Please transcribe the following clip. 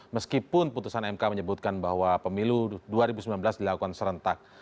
meskipun putusan mk menyebutkan bahwa pemilu dua ribu sembilan belas dilakukan serentak